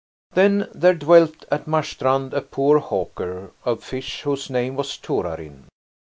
Trans.] there dwelt at Marstrand a poor hawker of fish, whose name was Torarin.